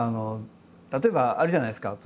例えばあるじゃないですか